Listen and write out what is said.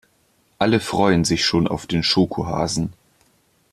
Alle freuen sich schon auf den Schokohasen.